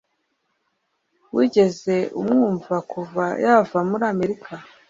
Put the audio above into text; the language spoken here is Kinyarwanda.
Wigeze umwumva kuva yava muri Amerika